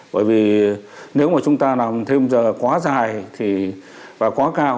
bởi vì nếu mà chúng ta làm thêm giờ quá dài thì và quá cao